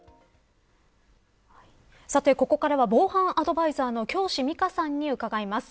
ここからは防犯アドバイザーの京師美佳さんに伺います。